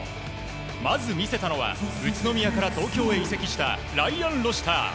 まず見せたのは宇都宮から東京へ移籍したライアン・ロシター。